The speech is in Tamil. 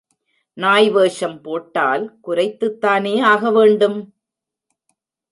நாய் வேஷம் போட்டால் குரைத்துத்தானே ஆகவேண்டும்?